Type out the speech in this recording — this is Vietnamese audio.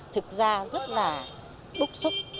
thực ra rất là bốc xúc